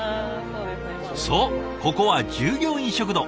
そうここは従業員食堂。